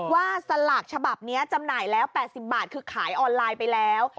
สลากฉบับนี้จำหน่ายแล้ว๘๐บาทคือขายออนไลน์ไปแล้ว